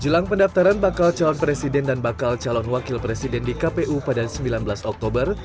jelang pendaftaran bakal calon presiden dan bakal calon wakil presiden di kpu pada sembilan belas oktober